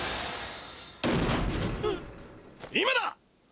今だ！